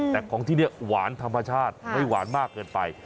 แต่ของที่นี่หวานธรรมชาติไม่หวานมากเกินไป